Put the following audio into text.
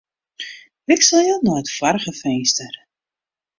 Wikselje nei it foarige finster.